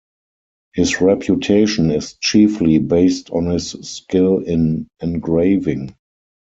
His reputation is chiefly based on his skill in engraving.